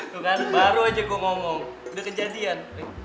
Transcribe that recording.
tuh kan baru aja gue ngomong udah kejadian